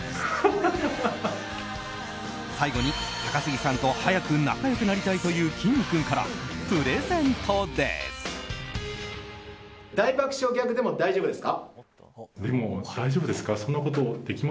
最後に高杉さんと早く仲良くなりたいというきんに君からプレゼントです。